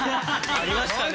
ありましたね。